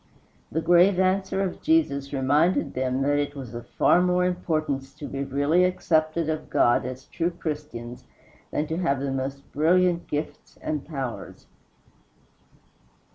The grave answer of Jesus reminded them that it was of far more importance to be really accepted of God as true Christians than to have the most brilliant gifts and powers.